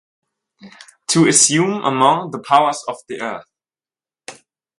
to assume among the powers of the earth